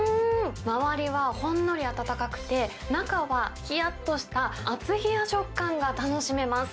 周りはほんのり温かくて、中は冷やっとしたあつひや食感が楽しめます。